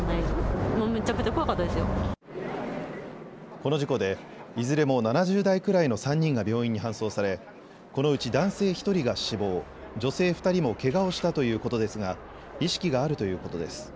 この事故でいずれも７０代くらいの３人が病院に搬送されこのうち男性１人が死亡、女性２人もけがをしたということですが意識があるということです。